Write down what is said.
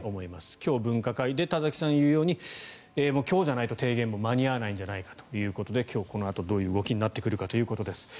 今日分科会で田崎さんが言うように今日じゃないと提言が間に合わないんじゃないかということで今日このあと、どういう動きになってくるのかということです。